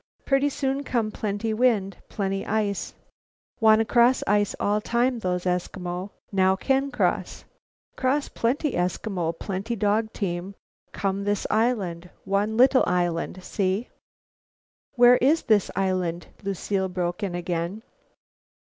"Pretty soon come plenty wind; plenty ice. Wanna cross ice all time, those Eskimo. Now can cross. Cross plenty Eskimo, plenty dog team. Come this island, one little island. See?" "Where is this island?" Lucile broke in again.